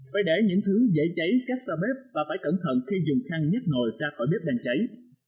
phải để những thứ dễ cháy cách xa bếp và phải cẩn thận khi dùng khăn nhắc nồi ra khỏi bếp đang cháy